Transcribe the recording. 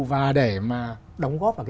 và để mà đóng góp vào